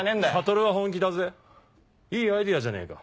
悟は本気だぜいいアイデアじゃねえか。